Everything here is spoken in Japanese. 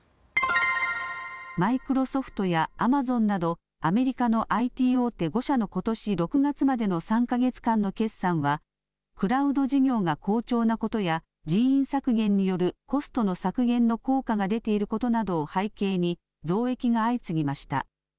マイクロソフトやアマゾンなどアメリカのＩＴ大手５社のことし６月までの３か月間の決算はクラウド事業が好調なことや人員削減によるコストの削減の効果が出ていることなどを背景に増益が相次ぎました。